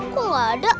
kok gak ada